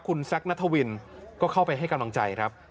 คุณแซคนัทวินก็เข้าไปให้กำลังใจครับ